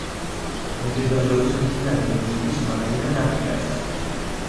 მდებარეობს მდინარე მეჯუდის მარჯვენა ნაპირას.